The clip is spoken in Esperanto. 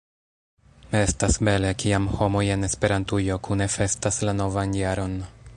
Estas bele, kiam homoj en Esperantujo kune festas la novan jaron.